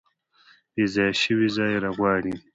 بیځایه شوي ځای غواړي